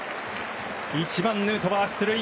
１番、ヌートバー、出塁。